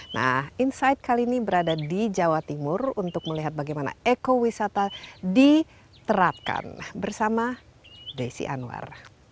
nah insight kali ini berada di jawa timur untuk melihat bagaimana ekowisata diterapkan bersama desi anwar